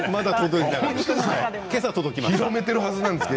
けさ届きました。